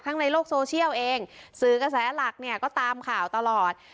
ในโลกโซเชียลเองสื่อกระแสหลักเนี่ยก็ตามข่าวตลอด